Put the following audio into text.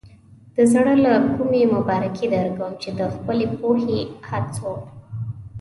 د زړۀ له کومې مبارکي درکوم چې د خپلې پوهې، هڅو.